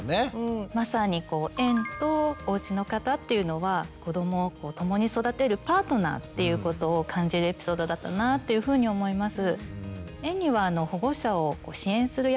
まさに園とおうちの方っていうのは子どもを共に育てるパートナーっていうことを感じるエピソードだったなというふうに思います。